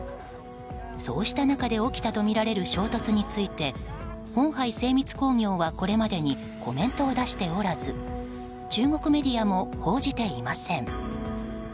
そうした中で起きたとみられる衝突について鴻海精密工業はこれまでにコメントを出しておらず中国メディアも報じていません。